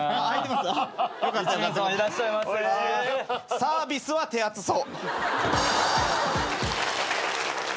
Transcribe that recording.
サービスは手厚そう。